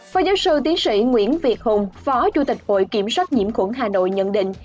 phó giáo sư tiến sĩ nguyễn việt hùng phó chủ tịch hội kiểm soát nhiễm khuẩn hà nội nhận định